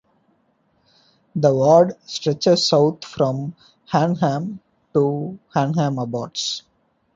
The ward stretches south from "Hanham" to Hanham Abbots.